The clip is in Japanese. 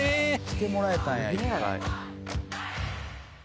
「着てもらえたんや１回」